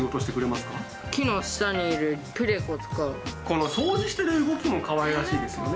このそうじしてる動きもかわいらしいですよね